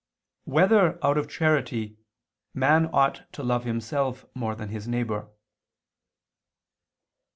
4] Whether Out of Charity, Man Ought to Love Himself More Than His Neighbor?